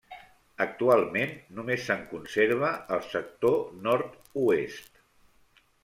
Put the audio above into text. Actualment només se'n conserva el sector nord-oest.